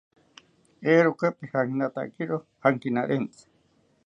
Eeeroka pijankinatakiro jankinarentzi